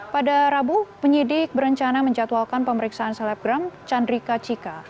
pada rabu penyidik berencana menjatuhkan pemeriksaan selebgram chandrika cika